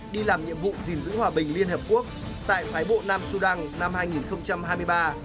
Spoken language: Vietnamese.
đi làm nhiệm vụ gìn giữ hòa bình liên hợp quốc tại phái bộ nam sudan năm hai nghìn hai mươi ba